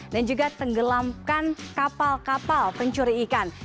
dan juga tenggelamkan kapal kapal pencuri ikan